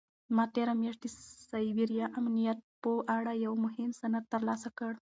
ما تېره میاشت د سایبري امنیت په اړه یو مهم سند ترلاسه کړ.